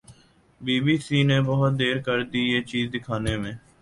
Be B C نے بہت دیر کردی یہ چیز دکھانے میں۔